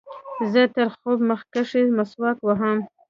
زه تر خوب مخکښي مسواک وهم.